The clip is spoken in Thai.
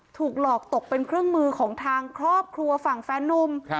ถูกหลอกตกเป็นเครื่องมือของทางครอบครัวฝั่งแฟนนุ่ม